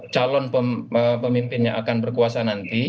calon pemimpin yang akan berkuasa nanti